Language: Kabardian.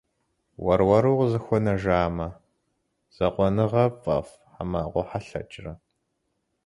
Уэр-уэру укъызыхуэнэжамэ, закъуэныгъэр пфӏэфӏ хьэмэ къохьэлъэкӏрэ?